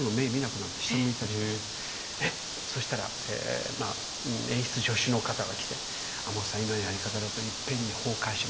そしたら演出助手の方が来て「亞門さん今のやり方だといっぺんに崩壊します。